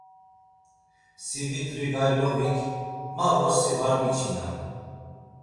Sividrigaylovik: Ma vrosi var miçinam.